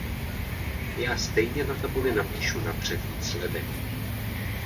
Já stejně na tabuli napíšu napřed výsledek.